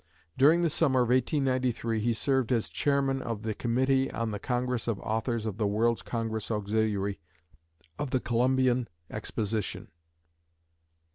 During the summer of 1893 he served as Chairman of the Committee on the Congress of Authors of the World's Congress Auxiliary of the Columbian Exposition.